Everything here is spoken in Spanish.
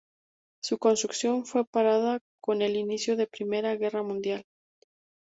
Su construcción fue parada con el inicio de Primera Guerra Mundial.